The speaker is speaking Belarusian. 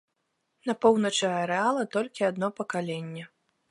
На поўначы арэала толькі адно пакаленне.